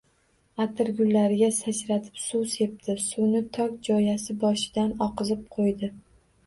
Atirgullariga sachratib suv sepdi. Suvni tok jo‘yasi boshidan oqizib qo‘ydi.